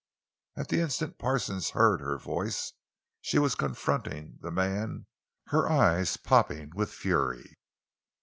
At the instant Parsons heard her voice she was confronting the man, her eyes popping with fury.